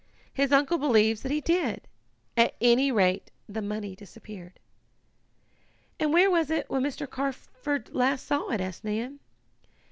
His uncle believes that he did. At any rate the money disappeared." "And where was it when Mr. Carford last saw it?" asked Nan.